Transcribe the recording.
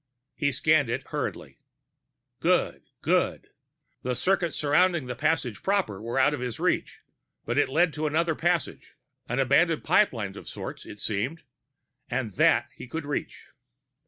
He scanned it hurriedly. Good, good! The circuits surrounding the passage proper were out of his reach, but it led to another passage, an abandoned pipeline of sorts, it seemed to be. And that he could reach....